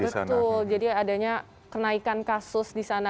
betul jadi adanya kenaikan kasus di sana